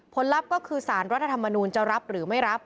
ลับก็คือสารรัฐธรรมนูลจะรับหรือไม่รับ